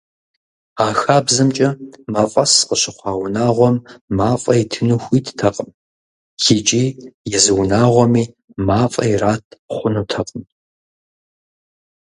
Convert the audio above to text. А хабзэмкӏэ, мафӏэс къыщыхъуа унагъуэм мафӏэ итыну хуиттэкъым, икӏи езы унагъуэми мафӏэ ират хъунутэкъым.